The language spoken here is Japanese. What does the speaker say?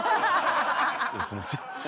すいません。